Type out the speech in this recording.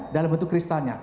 dalam bentuk kristalnya